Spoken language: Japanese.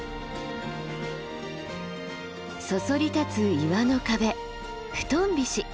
そそり立つ岩の壁布団菱。